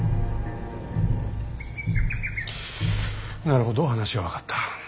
なるほど話は分かった。